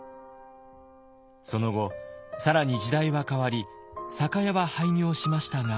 その後更に時代は変わり酒屋は廃業しましたが。